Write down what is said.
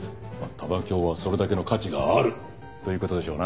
玉響はそれだけの価値がある！ということでしょうな。